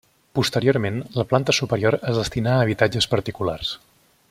Posteriorment la planta superior es destinà a habitatges particulars.